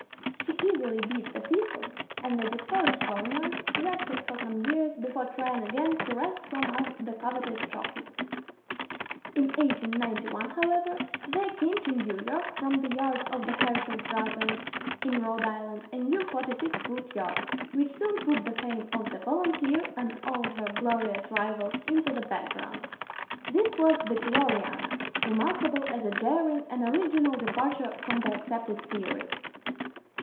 She easily beat the Thistle, and the discouraged foreigners rested for some years before trying again to wrest from us the coveted trophy. [Illustration: "PURITAN."] [Illustration: FROM PHOTOGRAPHS BY J. S. JOHNSTON AND PURVIANCE. "MAYFLOWER."] In 1891, however, there came to New York, from the yards of the Herreshoff Brothers, in Rhode Island, a new forty six foot yacht, which soon put the fame of the Volunteer and all her glorious rivals into the background. This was the Gloriana, "remarkable as a daring and original departure from the accepted theories."